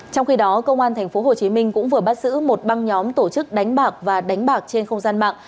trong khi đó công an tp hcm cũng vừa bắt giữ một băng nhóm tổ chức đánh bạc và đánh bạc trên không gian mạng